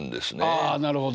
あなるほど。